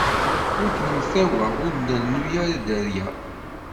Yak nemtawa ur d nrennu ara dderya.